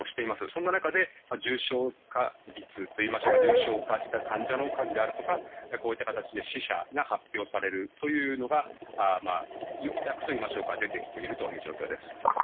そんな中で重症化率といいますか重症化した患者の数であるとかこういった形で死者が発表されるというのがようやくといいましょうか出てきているという状況です。